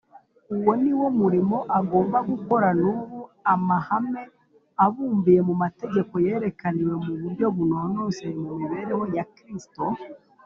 uwo ni wo murimo agomba gukora n’ubu amahame abumbiye mu mategeko yerekaniwe mu buryo bunonosoye mu mibereho ya kristo;